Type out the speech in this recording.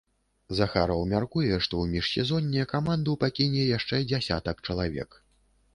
Захараў мяркуе, што ў міжсезонне каманду пакіне яшчэ дзясятак чалавек.